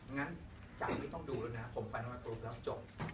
งั้นจ๋าไม่ต้องดูแล้วนะผมฟันออนไลน์โปรปแล้วจบ